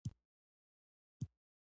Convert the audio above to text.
باید خپل تاریخ وپیژنو